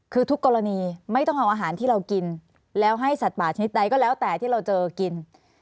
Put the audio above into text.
คือทุกกรณีไม่ต้องเอาอาหารที่เรากินแล้วให้สัตว์ป่าชนิดใดก็แล้วแต่ที่เราเจอกิน